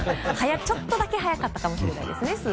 ちょっとだけ早かったかもしれないですね。